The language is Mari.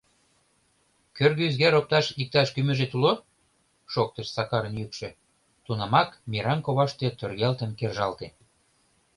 — Кӧргӧ ӱзгар опташ иктаж кӱмыжет уло? — шоктыш Сакарын йӱкшӧ, тунамак мераҥ коваште тӧргалтын кержалте.